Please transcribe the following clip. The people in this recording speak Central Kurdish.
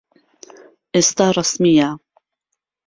ئێستا ڕەسمییە.